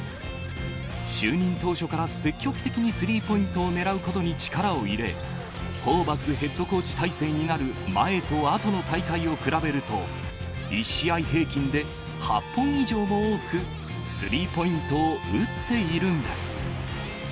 就任当初から積極的にスリーポイントを狙うことに力を入れ、ホーバスヘッドコーチ体制になる前と後の大会を比べると、１試合平均で８本以上も多くスリーポイントを打っているんです。